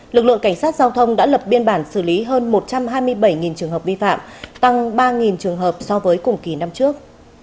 lực lượng cảnh sát giao thông đã lập biên bản xử lý hơn một trăm hai mươi bảy trường hợp vi phạm tăng ba trường hợp so với cùng kỳ năm trước